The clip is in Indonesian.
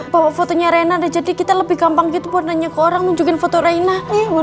bawa fotonya reina jadi kita lebih gampang gitu buat nanya ke orang nunjukin foto raina